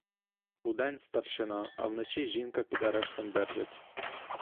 Удень старшина, а вночі жінка під арештом держать.